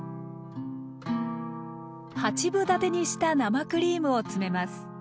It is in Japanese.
八分立てにした生クリームを詰めます。